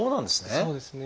そうですね。